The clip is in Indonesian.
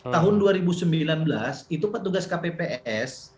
tahun dua ribu sembilan belas itu petugas kpps